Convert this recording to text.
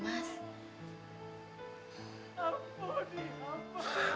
ampuni amat ya allah